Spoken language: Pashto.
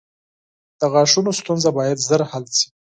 • د غاښونو ستونزه باید ژر حل شي.